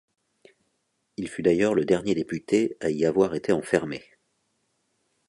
Il fut d'ailleurs le dernier député à y avoir été enfermé.